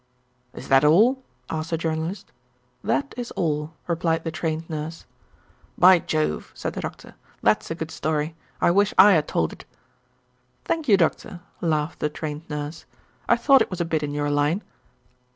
"Is that all?" asked the Journalist. "That is all," replied the Trained Nurse. "By Jove," said the Doctor, "that is a good story. I wish I had told it." "Thank you, Doctor," laughed the Trained Nurse. "I thought it was a bit in your line."